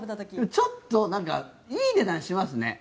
ちょっといい値段しますね。